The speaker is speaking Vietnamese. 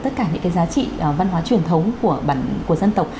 tất cả những cái giá trị văn hóa truyền thống của dân tộc